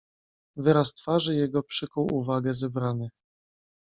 "Wyraz twarzy jego przykuł uwagę zebranych."